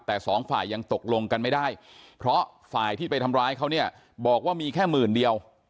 แต่สองฝ่ายยังตกลงกันไม่ได้เพราะฝ่ายที่ไปทำร้ายเขาเนี่ยบอกว่ามีแค่หมื่นเดียว